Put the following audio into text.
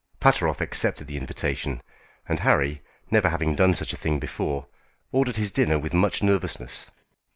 Pateroff accepted the invitation, and Harry, never having done such a thing before, ordered his dinner with much nervousness.